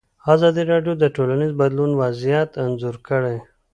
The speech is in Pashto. ازادي راډیو د ټولنیز بدلون وضعیت انځور کړی.